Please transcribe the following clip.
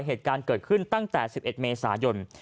เหตุการณ์เกิดขึ้นตั้งแต่๑๑เมษายน